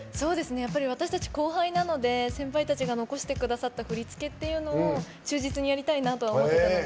やっぱり私たち後輩なので先輩たちが残してくださった振り付けというのを忠実にやりたいなとは思っていたので。